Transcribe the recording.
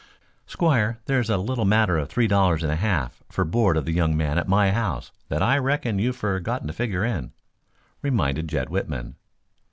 "Squire, there's a little matter of three dollars and a half for board of the young man at my house that I reckon you've forgotten to figure in," reminded Jed Whitman.